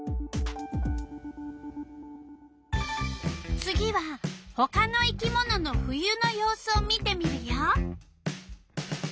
次は他の生き物の冬の様子を見てみるよ。